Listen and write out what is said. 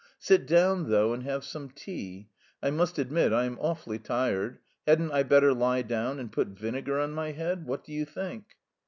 Sit down though and have some tea. I must admit I am awfully tired.... Hadn't I better lie down and put vinegar on my head? What do you think?"